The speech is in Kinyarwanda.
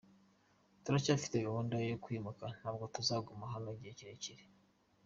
Turacyafite gahunda yo kwimuka, ntabwo tuzaguma hano igihe kirekire.